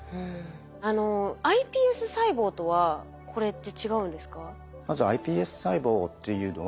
あのｉＰＳ細胞とはこれって違うんですか？